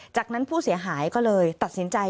จากนั้นผู้เสียหายก็เลยตัดสินใจ